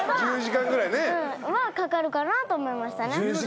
うんはかかるかなと思いましたね。